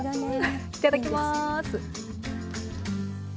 いただきます。